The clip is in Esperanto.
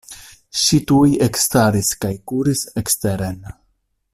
Ŝi tuj ekstaris kaj kuris eksteren.